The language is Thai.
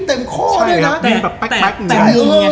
ถึงแบบแป๊กก็ได้